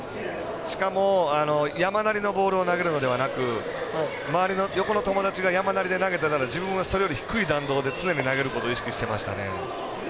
しかも、山なりのボールを投げるのではなく横の友達が山なりを投げてたら自分はそれより低い弾道で常に投げることを意識してましたね。